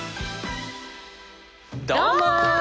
どうも。